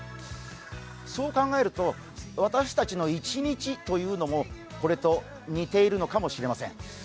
そう考えると、私たちの一日というのも、これと似ているのかもしれません。